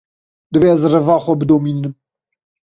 Divê ez reva xwe bidomînim.